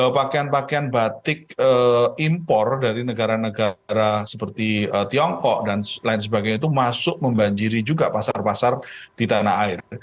pakaian pakaian batik impor dari negara negara seperti tiongkok dan lain sebagainya itu masuk membanjiri juga pasar pasar di tanah air